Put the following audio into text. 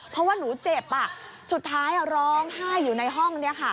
เพราะว่าหนูเจ็บสุดท้ายร้องไห้อยู่ในห้องนี้ค่ะ